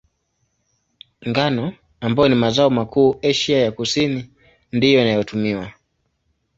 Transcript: Ngano, ambayo ni mazao makuu Asia ya Kusini, ndiyo inayotumiwa.